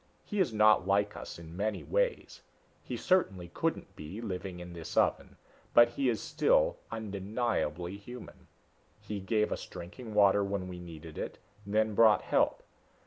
He is not like us in many ways he certainly couldn't be, living in this oven but he is still undeniably human. He gave us drinking water when we needed it, then brought help.